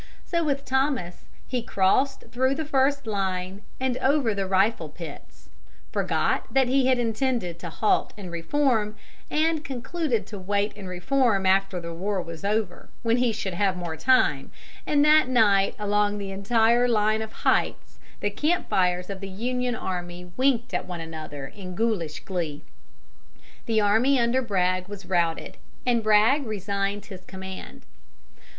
So with Thomas he crossed through the first line and over the rifle pits, forgot that he had intended to halt and reform, and concluded to wait and reform after the war was over, when he should have more time, and that night along the entire line of heights the camp fires of the Union army winked at one another in ghoulish glee. The army under Bragg was routed, and Bragg resigned his command.